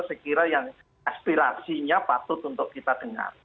sekiranya yang aspirasinya patut untuk kita dengar